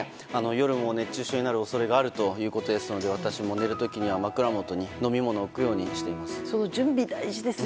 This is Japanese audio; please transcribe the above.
夜も熱中症になる恐れがあるということですので私の寝る時には枕元に飲み物を置くようにしています。